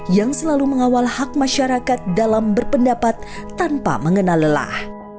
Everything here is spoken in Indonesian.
yang selalu mengawal hak masyarakat dalam berpendapat tanpa mengenal lelah